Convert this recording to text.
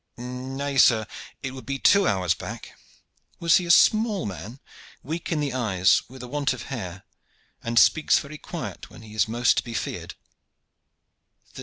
"Nay, sir, it would be two hours back. Was he a small man, weak in the eyes, with a want of hair, and speaks very quiet when he is most to be feared?"